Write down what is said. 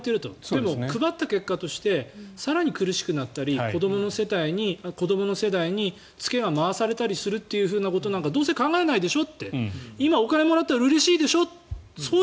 でも、配った結果として更に苦しくなったり子どもの世代に付けが回されたりするっていうことなんかどうせ考えないでしょ？